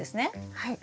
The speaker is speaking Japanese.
はい。